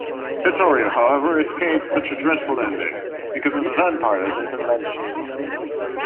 Vittorio, however, escapes such a dreadful ending because of a vampire's intervention.